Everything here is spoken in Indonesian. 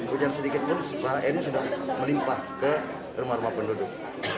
hujan sedikit pun airnya sudah melimpah ke rumah rumah penduduk